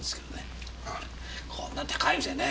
こんな高い店ね